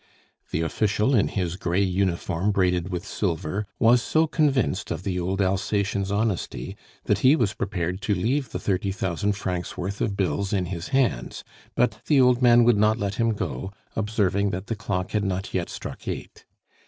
The official, in his gray uniform braided with silver, was so convinced of the old Alsatian's honesty, that he was prepared to leave the thirty thousand francs' worth of bills in his hands; but the old man would not let him go, observing that the clock had not yet struck eight.